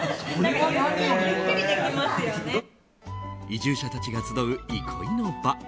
移住者たちが集う憩いの場。